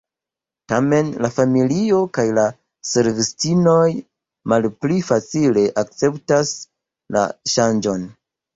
Tamen, la familio kaj la servistinoj malpli facile akceptas la ŝanĝon.